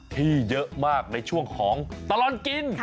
ที่เยอะมากในช่วงของตลอดกิน